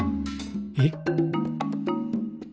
えっ？